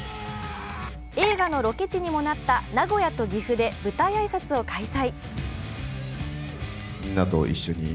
映画のロケ地にもなった名古屋と岐阜で舞台挨拶を開催。